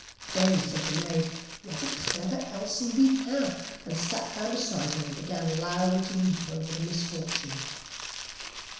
Then said the maid: 'What a clever Elsie we have!' and sat down beside her and began loudly to weep over the misfortune.